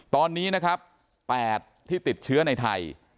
ตอนนี้นะครับ๘ที่ติดเชื้อในไทย